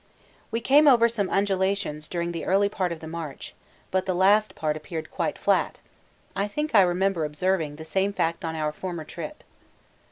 We came over some undulations during the early part of the march, but the last part appeared quite flat. I think I remember observing the same fact on our former trip.